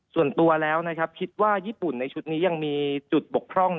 ส่วนตัวแล้วคิดว่าญี่ปุ่นในชุดนี้ยังมีจุดบกพร่อง